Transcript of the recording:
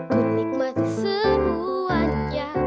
ku nikmat semuanya